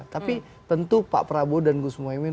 tapi tentu pak prabowo dan gus muhaymin